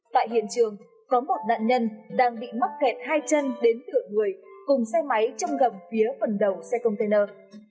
tại hiện trường có một nạn nhân đang bị mắc kẹt hai chân đến cửa người cùng xe máy trong gầm phía phần đầu xe container